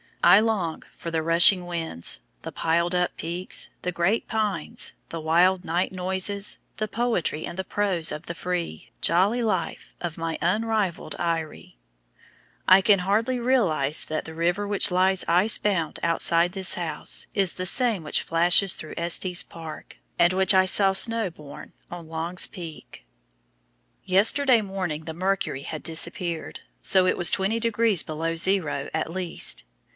I long for the rushing winds, the piled up peaks, the great pines, the wild night noises, the poetry and the prose of the free, jolly life of my unrivalled eyrie. I can hardly realize that the river which lies ice bound outside this house is the same which flashes through Estes Park, and which I saw snow born on Long's Peak. Yesterday morning the mercury had disappeared, so it was 20 degrees below zero at least.